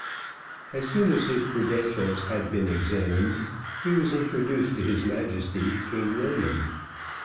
As soon as his credentials had been examined, he was introduced to his Majesty, King William.